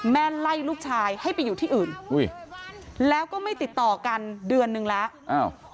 แม่ไล่ลูกชายให้ไปอยู่ที่อื่นอุ้ยแล้วก็ไม่ติดต่อกันเดือนนึงแล้วอ้าว